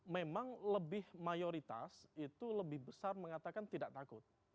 memang lebih mayoritas itu lebih besar mengatakan tidak takut